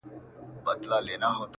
ژورنالیزم د ټولنې مهمه برخه ده